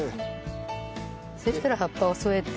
そしたら葉っぱを添えて。